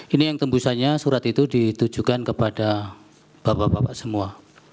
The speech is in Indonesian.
ini yang tembusannya surat itu ditujukan kepada bapak bapak semua